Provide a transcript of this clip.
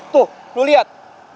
tuh lu lihat